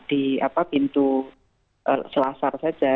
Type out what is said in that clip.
di pintu selasar saja